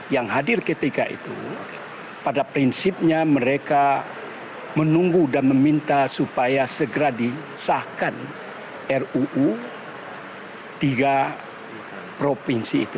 yang hadir ketika itu pada prinsipnya mereka menunggu dan meminta supaya segera disahkan ruu tiga provinsi itu